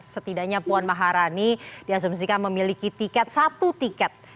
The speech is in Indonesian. setidaknya puan maharani diasumsikan memiliki tiket satu tiket